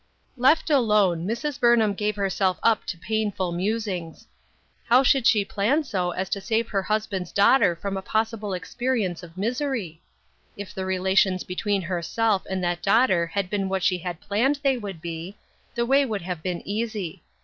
Left alone, Mrs. Burnham gave herself up to painful musings. How should she plan so as to save her husband's daughter from a possible experi ence of misery ? If the relations between herself and that daughter had been what she had planned they should be, the way would have been easy.